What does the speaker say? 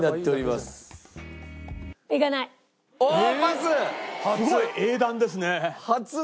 すごい！英断ですね。